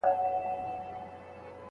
ډېر ړانده سړي په ګڼ ځای کي ږیري نه لري.